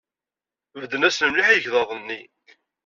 Bedden-asen mliḥ i yegḍaḍ-nni.